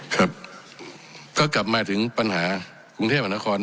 ครับก็กลับมาถึงปัญหากรุงเทพมหานคร